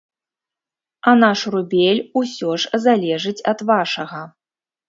А наш рубель ўсё ж залежыць ад вашага.